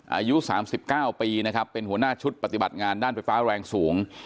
อายุ๓๙ปีนะครับเป็นหัวหน้าชุดปฏิบัติงานด้านไฟฟ้าแรงสูง